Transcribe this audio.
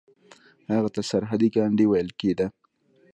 هغه ته سرحدي ګاندي ویل کیده.